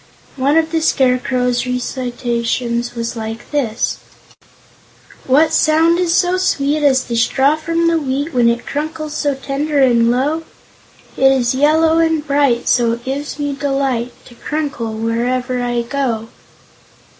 One of the Scarecrow's recitations was like this: "What sound is so sweet As the straw from the wheat When it crunkles so tender and low? It is yellow and bright, So it gives me delight To crunkle wherever I go.